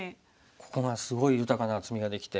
ここがすごい豊かな厚みができて。